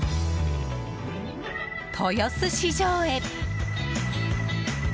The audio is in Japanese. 豊洲市場へ。